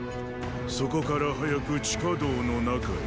そこから早く地下道の中へ。